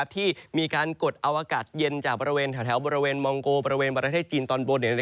ที่มีการกดเอาอากาศเย็นจากบริเวณแถวบริเวณมองโกบริเวณประเทศจีนตอนบน